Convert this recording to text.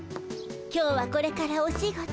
今日はこれからお仕事。